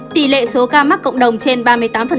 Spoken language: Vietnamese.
tỷ lệ số ca mắc cộng đồng trên ba mươi tám